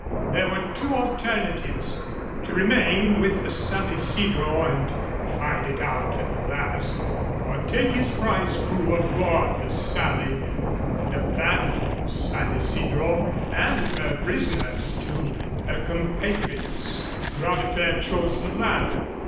There were two alternatives to remain with the San Isidro and fight it out to the last, or take his prize crew aboard the Sally and abandon the San Isidro and her prisoners to her compatriots. Bras de Fer chose the latter.